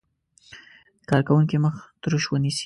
کارکوونکی مخ تروش ونیسي.